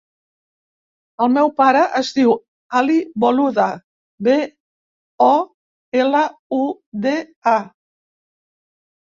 El meu pare es diu Ali Boluda: be, o, ela, u, de, a.